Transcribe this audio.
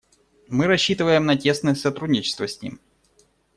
Мы рассчитываем на тесное сотрудничество с ним.